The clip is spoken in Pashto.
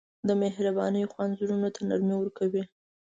د مهربانۍ خوند زړونو ته نرمي ورکوي.